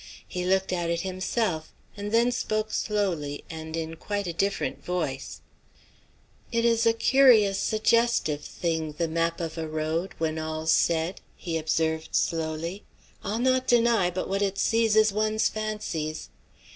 He looked at it himself, and then spoke slowly, and in quite a different voice: "It is a curious, suggestive thing, the map of a road, when all's said," he observed slowly. "I'll not deny but what it seizes one's fancies.